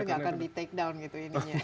oh gak akan di take down gitu